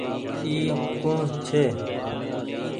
اي ڪوڻ ڇي۔